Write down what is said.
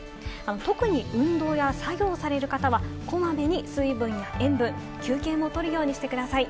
特に運動や作業をされる方はこまめに水分や塩分、休憩もとるようにしてください。